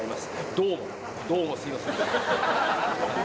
どうも、どうもすみません。